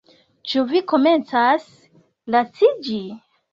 Ĉu vi komencas laciĝi?